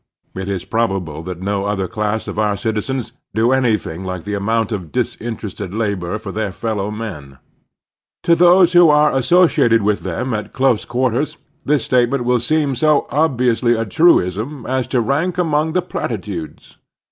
It is probable that no other class of our citizens do anything like the amotmt of disinterested labor for their fellow men. To those who are associated with them at close quarters this statement will 39 90 The Strenuous Life seem so obviotisly a truism as to rank among the platitudes.